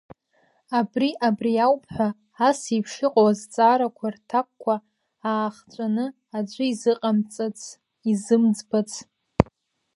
Абри абри ауп ҳәа асеиԥш иҟоу азҵаарақәа рҭакқәа аахҵәаны аӡәы изыҟамҵац, изымӡбац.